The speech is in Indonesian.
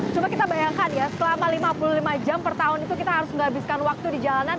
coba kita bayangkan ya selama lima puluh lima jam per tahun itu kita harus menghabiskan waktu di jalanan